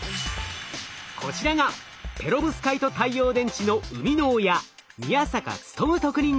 こちらがペロブスカイト太陽電池の生みの親